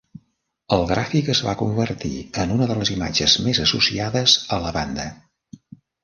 El gràfic es va convertir en una de les imatges més associades a la banda.